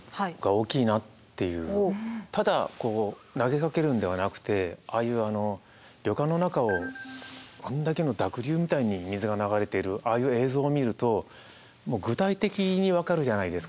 ただ投げかけるのではなくてああいうあの旅館の中をあんだけの濁流みたいに水が流れてるああいう映像を見ると具体的に分かるじゃないですか。